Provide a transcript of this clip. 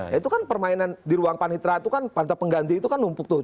ya itu kan permainan di ruang panitra itu kan pantai pengganti itu kan numpuk tuh